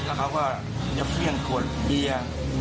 แล้วเขาก็ยักษ์เชื่อนคนเบียน